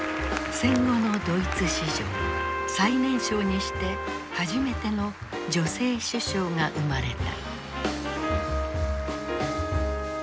戦後のドイツ史上最年少にして初めての女性首相が生まれた。